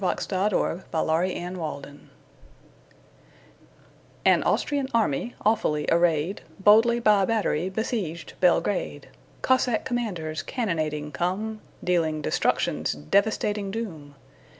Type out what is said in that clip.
W X . Y Z The Siege of Belgrade AN Austrian army, awfully arrayed, Boldly by battery besieged Belgrade. Cossack commanders cannonading come, Dealing destruction's devastating doom.